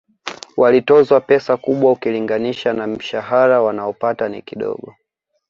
Walitozwa pesa kubwa ukilinganisha na mshahara wanaopata ni kidogo